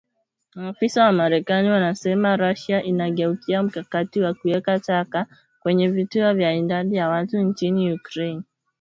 Maafisa wa marekani wanasema Russia “inageukia mkakati wa kuweka taka kwenye vituo vya idadi ya watu nchini Ukraine.”